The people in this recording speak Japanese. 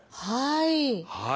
はい。